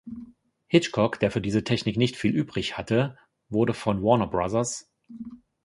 Hitchcock, der für diese Technik nicht viel übrig hatte, wurde von Warner Bros.